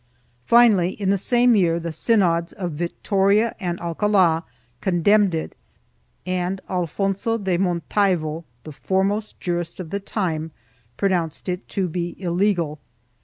Finally, in the same year the synods of Vitoria and Alcala condemned it and Alfonso de Montalvo, the foremost jurist of the time, pro nounced it to be illegal.